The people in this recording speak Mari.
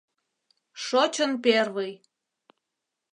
Шочын первый!